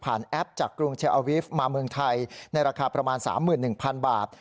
แอปจากกรุงเชลอาวิฟต์มาเมืองไทยในราคาประมาณ๓๑๐๐๐บาท